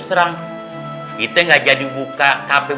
orang orang kemarin udah pada tau